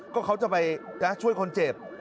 ก็เขาจะไปช่วยคนเจ็บ